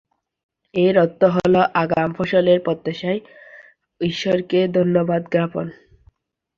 যার অর্থ হল আগাম ফসলের প্রত্যাশায় ঈশ্বরকে ধন্যবাদ জ্ঞাপন।